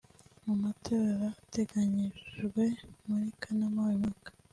mu matora ateganyijwe muri Kanama uyu mwaka